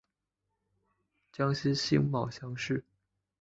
江西辛卯乡试。